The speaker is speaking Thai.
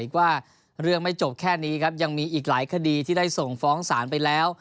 อีกว่าเรื่องไม่จบแค่นี้ครับยังมีอีกหลายคดีที่ได้ส่งฟ้องศาลไปแล้ว